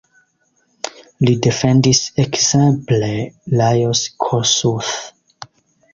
Li defendis ekzemple Lajos Kossuth.